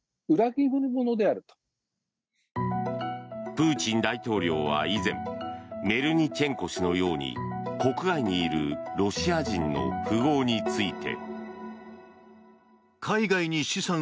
プーチン大統領は以前メルニチェンコ氏のように国外にいるロシア人の富豪について。